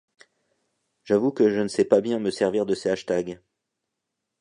J’avoue que je ne sais pas bien me servir de ces hashtags.